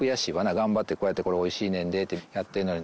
頑張ってこうやってこれ美味しいねんでってやってるのに。